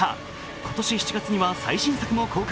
今年７月には最新作も公開。